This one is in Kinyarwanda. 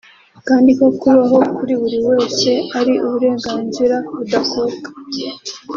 kandi ko kubaho kuri buri wese ari uburenganzira budakuka